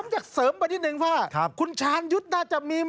ผมอยากเสริมไปนิดหนึ่งค่ะครับคุณชาญยุทธ์น่าจะมีหม้อ